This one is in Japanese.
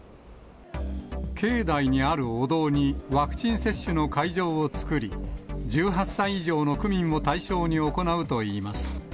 境内にあるお堂に、ワクチン接種の会場を作り、１８歳以上の区民を対象に行うといいます。